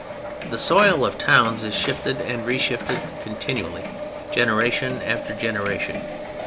The soil of towns is shifted and reshifted continually generation after generation.